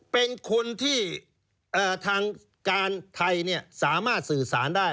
เป็นคนที่ทางการไทยสามารถสื่อสารได้